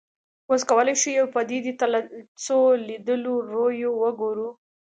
اوس کولای شو یوې پدیدې ته له څو لیدلوریو وګورو.